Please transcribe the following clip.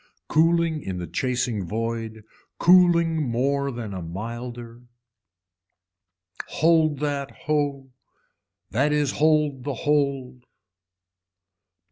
Cooling in the chasing void, cooling more than milder. Hold that ho, that is hold the hold.